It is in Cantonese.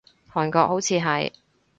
韓國，好似係